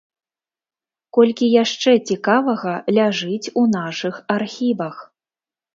Колькі яшчэ цікавага ляжыць у нашых архівах.